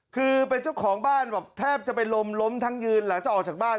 คือเป็นเจ้าของบ้านบอกแทบจะเป็นลมล้มทั้งยืนหลังจากออกจากบ้าน